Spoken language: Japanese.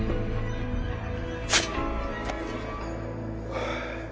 はあ。